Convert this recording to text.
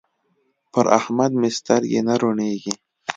پر احمد مې سترګې نه روڼېږي.